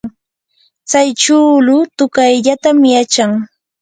tsay chuulu tuqayllatam yachan.